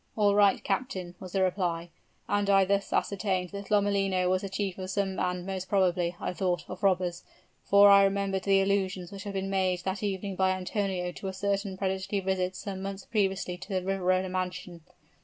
'All right, captain,' was the reply; and thus I ascertained that Lomellino was the chief of some band most probably, I thought, of robbers; for I remembered the allusions which had been made that evening by Antonio to a certain predatory visit some months previously to the Riverola mansion.